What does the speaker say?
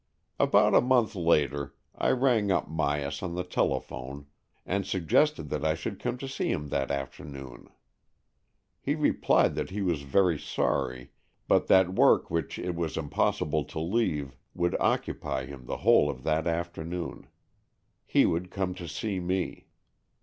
About a month later I rang up Myas on the telephone, and suggested that I should come to see him that afternoon. He replied that he was very sorry, but that work which it was impossible to leave would occupy him the whole of that afternoon. He would come to see me.